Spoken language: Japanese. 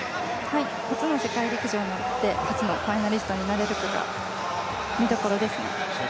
初の世界陸上で、初のファイナリストになれるかが見どころですね。